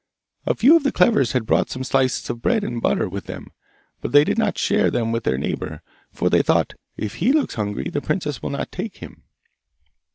'A few of the cleverest had brought some slices of bread and butter with them, but they did not share them with their neighbour, for they thought, "If he looks hungry, the princess will not take him!"